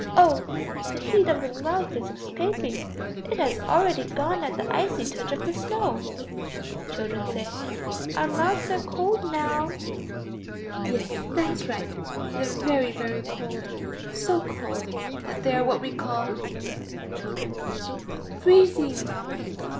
Oh! the heat of the mouth is escaping, it has already gone at the icy touch of the snow. Children. Our mouths are cold now. Yes, that's right. They are very, very cold, so cold that they are what we call ... Children. Freezing.